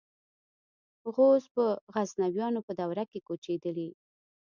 غوز په غزنویانو په دوره کې کوچېدلي.